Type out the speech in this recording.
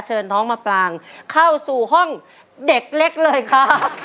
เชิญน้องมาปลางเข้าสู่ห้องเด็กเล็กเลยค่ะ